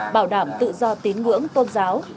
bảo đảm tự do tín ngưỡng tôn giáo